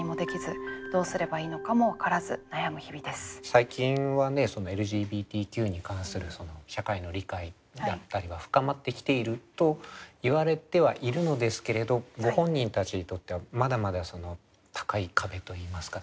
最近はねＬＧＢＴＱに関する社会の理解だったりは深まってきているといわれてはいるのですけれどご本人たちにとってはまだまだ高い壁といいますか。